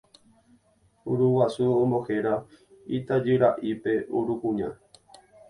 Uruguasu ombohéra itajyra'ípe Urukuña.